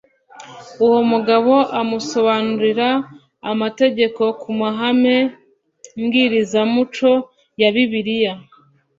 uwo mugabo amusobanurira amategeko ku mahame mbwirizamuco ya bibiliya